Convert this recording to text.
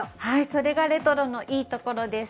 それがレトロのいいところです。